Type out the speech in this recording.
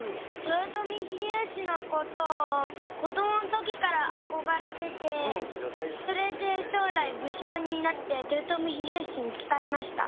豊臣秀吉のことを子どものときからあこがれててそれでしょうらい武将になって豊臣秀吉に仕えました。